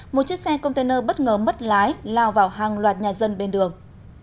một chiếc xe container bất ngờ mất lái lao vào hàng loạt nhà dân bên đường